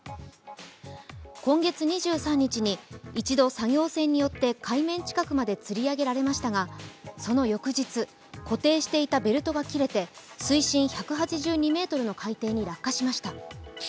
今月２３日に一度作業船によって海面近くまでつり上げられましたが、その翌日、固定していたベルトが切れて水深１８２ｍの海底に落下しました。